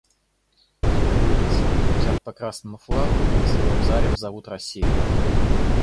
Это улицы, взяв по красному флагу, призывом зарев зовут Россию.